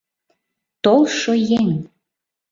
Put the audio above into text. Толшо еҥ!